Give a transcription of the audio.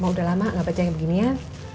mau udah lama nggak baca yang begini ya